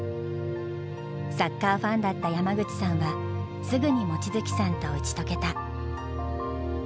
サッカーファンだった山口さんはすぐに望月さんと打ち解けた。